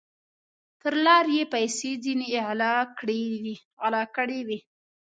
پر لار یې پیسې ځیني غلا کړي وې